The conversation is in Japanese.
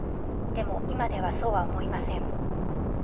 でも今ではそうは思いません」。